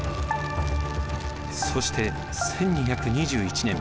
そして１２２１年。